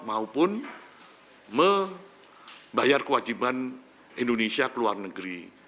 maupun membayar kewajiban indonesia ke luar negeri